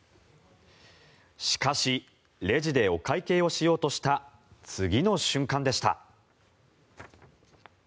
しかし、レジでお会計をしようとした次の瞬間でした。